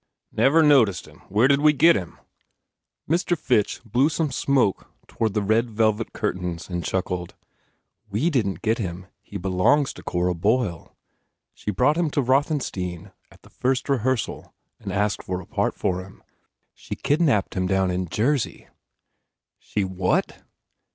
"Never noticed him. Where did we get him?" Mr. Fitch blew some smoke toward the red velvet curtains and chuckled. "We didn t get him. He belongs to Cora Boyle. She brought him to Rothenstein at the first rehearsal and asked for a part for him. She kidnapped him down in Jersey." "She what?"